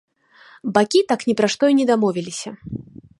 Бакі так ні пра што і не дамовіліся.